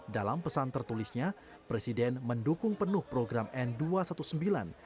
dalam pesan tertulisnya presiden mendukung penuh program n dua ratus sembilan belas